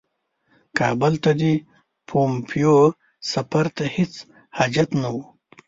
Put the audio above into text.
کابل ته د پومپیو سفر ته هیڅ حاجت نه وو.